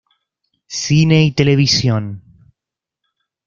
Cine y televisión